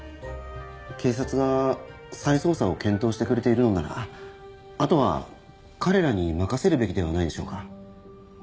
警察が再捜査を検討してくれているのならあとは彼らに任せるべきではないでしょうか？